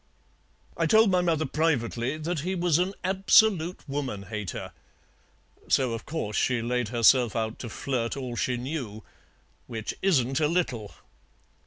I told my mother privately that he was an absolute woman hater; so, of course, she laid herself out to flirt all she knew, which isn't a little."